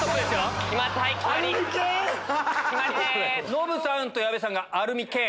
ノブさんと矢部さんがアルミけん。